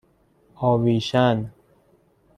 آویشن